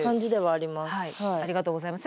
ありがとうございます。